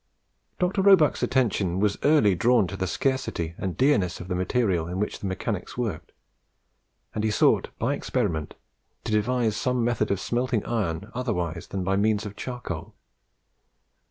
Dr. Roebuck's attention was early drawn to the scarcity and dearness of the material in which the mechanics worked, and he sought by experiment to devise some method of smelting iron otherwise than by means of charcoal.